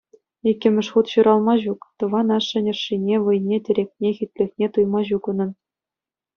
Иккӗмӗш хут ҫуралма ҫук, тӑван ашшӗн ӑшшине, вӑйне, тӗрекне, хӳтлӗхне туйма ҫук унӑн.